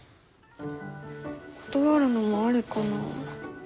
断るのもありかな。